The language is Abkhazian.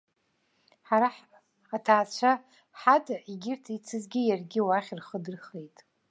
Ҳара аҭаацәа ҳада, егьырҭ ицызгьы иаргьы уахь рхы дырхеит.